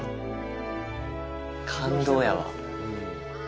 感動やわ。